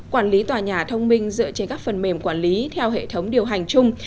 quản lý tòa nhà thông minh dựa trên các phần mềm quản lý theo hệ thống điều hành chung